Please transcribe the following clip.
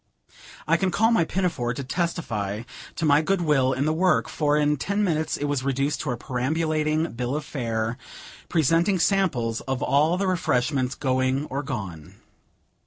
I can call my pinafore to testify to my good will in the work, for in ten minutes it was reduced to a perambulating bill of fare, presenting samples of all the refreshments going or gone.